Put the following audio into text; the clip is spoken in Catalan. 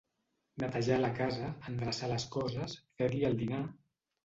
Netejar la casa, endreçar les coses, fer-li el dinar...